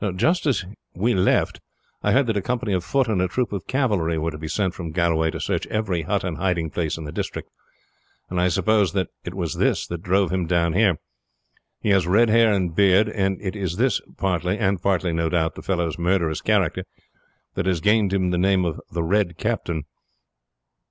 "Just as we left I heard that a company of foot and a troop of cavalry were to be sent from Galway to search every hut and hiding place in the district, and I suppose that it was this that drove him down here. He has red hair and beard; and it is this partly, and partly no doubt the fellow's murderous character, that has gained him the name of the Red Captain.